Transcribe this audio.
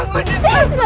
nanda prabu surrawi seja